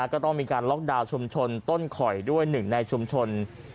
ก็ต้องมีการล็อกดาวน์ชุมชนต้นข่อยด้วยหนึ่งในชุมชน